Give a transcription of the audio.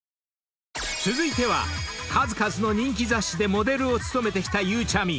［続いては数々の人気雑誌でモデルを務めてきたゆうちゃみ］